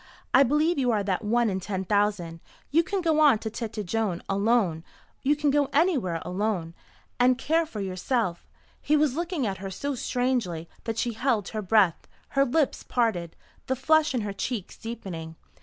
I believe you are that one in ten thousand. You can go on to Tête Jaune alone. You can go anywhere alone and care for yourself." He was looking at her so strangely that she held her breath, her lips parted, the flush in her cheeks deepening.